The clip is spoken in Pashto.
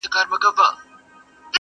o نې پخپله خوري، نې بل چا ته ورکوي٫